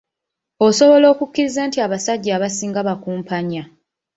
Osobola okukikkiriza nti abasajja abasinga bakumpanya?